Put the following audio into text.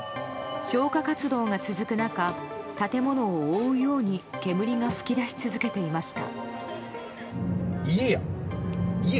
消火活動が続く中建物を覆うように煙が噴き出し続けていました。